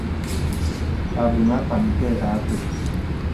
Àbə̀ŋ àpàn mpɛ̄ à pə̀k.